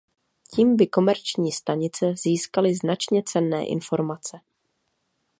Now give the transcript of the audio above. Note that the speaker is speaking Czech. Tím by komerční stanice získaly značně cenné informace.